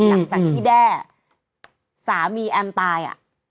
หลังจากที่แด้สามีแอมตาย